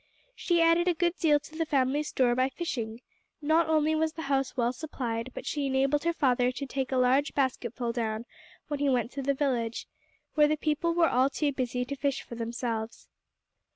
She added a good deal to the family store by fishing; not only was the house well supplied, but she enabled her father to take a large basketful down when he went to the village, where the people were all too busy to fish for themselves.